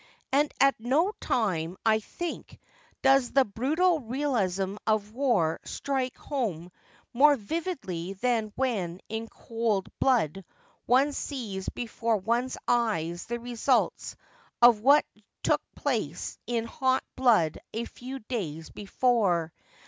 And at no time, I think, does the brutal realism of war strike home more vividly than when in cold blood one sees before one's eyes the results of what took place in hot blood a few days before.